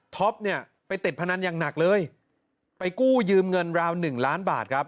เนี่ยไปติดพนันอย่างหนักเลยไปกู้ยืมเงินราวหนึ่งล้านบาทครับ